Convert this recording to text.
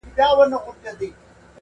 ډېر نومونه سول په منځ کي لاندي باندي!!